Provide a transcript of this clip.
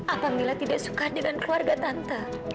apa mila tidak suka dengan keluarga tante